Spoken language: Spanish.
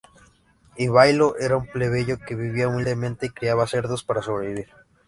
Ivailo era un plebeyo que vivía humildemente y criaba cerdos para sobrevivir.